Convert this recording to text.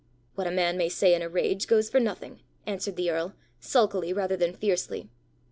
"What a man may say in a rage goes for nothing," answered the earl, sulkily rather than fiercely.